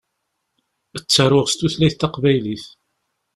Ttaruɣ s tutlayt taqbaylit.